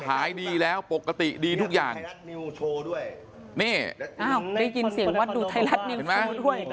หายดีแล้วปกติดีทุกอย่างนี่อ้าวได้ยินเสียงวัดดูไทยรัฐนิวเห็นไหม